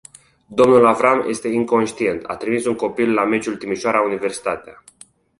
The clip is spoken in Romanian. Domnul Avram este inconștient, a trimis un copil la meciul Timișoara Universitatea.